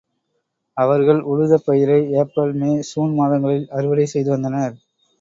அவர்கள் உழுத பயிரை ஏப்ரல், மே, சூன் மாதங்களில் அறுவடை செய்து வந்தனர்.